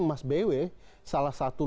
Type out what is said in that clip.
mas bewe salah satu